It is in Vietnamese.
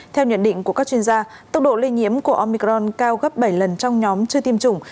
theo nhận định của các chuyên gia tốc độ lây nhiễm của omicron cao gấp bảy lần trong nhóm chưa tiêm chủng